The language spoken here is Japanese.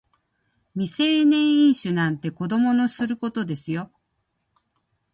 未成年飲酒なんて子供のすることですよ